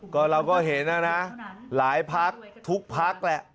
ก็เราก็เห็นนะนะหลายพักทุกพักแหละ